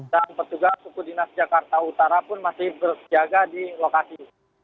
dan petugas kukudinas jakarta utara pun masih berjaga di lokasi